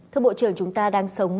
thưa bộ trưởng chúng ta đang sống